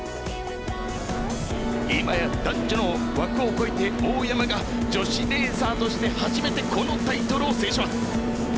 今や男女の枠を超えて大山が女子レーサーとして初めてこのタイトルを制します。